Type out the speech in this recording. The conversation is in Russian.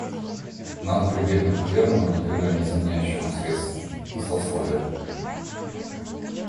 Надо было прибегнуть к верному, никогда не изменяющему средству — злословию.